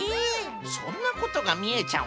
そんなことがみえちゃうんですか。